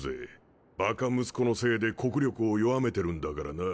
バカ息子のせいで国力を弱めてるんだからな。